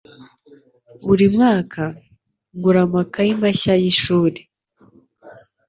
Buri mwaka, ngura amakaye mashya yishuri.